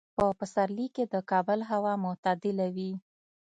په پسرلي کې د کابل هوا معتدله وي.